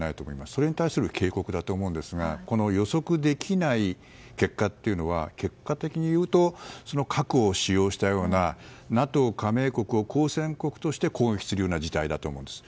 それに対する警告だと思うんですが予測できない結果というのは結果的にいうと核を使用したというようなＮＡＴＯ加盟国を交戦国として攻撃するような事態だと思うんです。